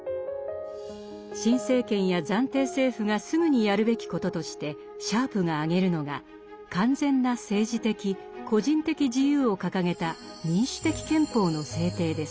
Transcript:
新政権や暫定政府がすぐにやるべきこととしてシャープが挙げるのが「完全な政治的個人的自由を掲げた民主的憲法」の制定です。